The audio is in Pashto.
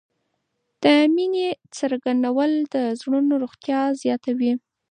د مینې څرګندول د زړونو روغتیا زیاتوي.